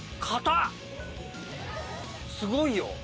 すごいよ。